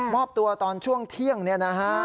อบตัวตอนช่วงเที่ยงเนี่ยนะฮะ